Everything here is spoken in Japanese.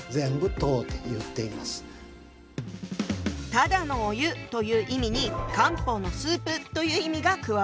ただのお湯という意味に漢方のスープという意味が加わったのね。